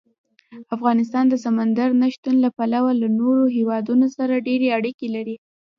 افغانستان د سمندر نه شتون له پلوه له نورو هېوادونو سره ډېرې اړیکې لري.